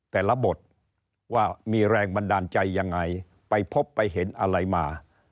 แต่ละบทว่ามีแรงบันดาลใจยังไงไปพบไปเห็นอะไรมา